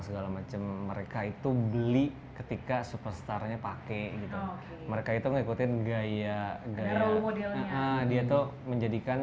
segala macem mereka itu beli ketika superstarnya pakai mereka itu mengikuti gaya dia tuh menjadikan